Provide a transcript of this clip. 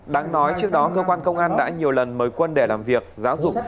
đáng nói trước đó cơ quan công an đã nhiều lần mời quân để làm việc giáo dục